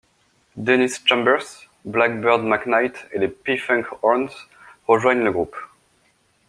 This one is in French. Dennis Chambers, Blackbyrd McKnight et les P-Funk Horns rejoignent le groupe.